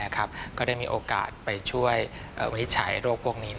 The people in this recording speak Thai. ก็ได้มีโอกาสไปช่วยวินิจฉัยโรคพวกนี้